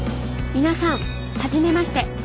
皆さん初めまして。